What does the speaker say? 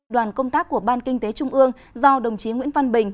đoàn công tác của ban kinh tế trung ương do đồng chí nguyễn văn bình